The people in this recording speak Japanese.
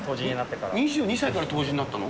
２２歳から杜氏になったの？